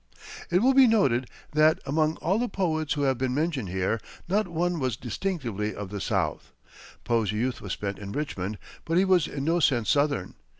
It will be noted that, among all the poets who have been mentioned here, not one was distinctively of the South. Poe's youth was spent in Richmond, but he was in no sense Southern.